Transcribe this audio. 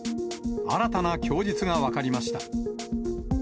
新たな供述が分かりました。